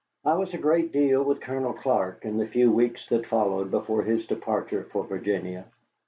I was a great deal with Colonel Clark in the few weeks that followed before his departure for Virginia.